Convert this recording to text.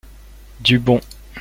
Du bon.